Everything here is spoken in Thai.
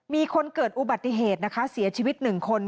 มีคนเกิดอุบัติเหตุนะคะเสียชีวิตหนึ่งคน